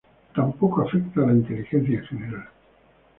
Tampoco afecta a la inteligencia en general.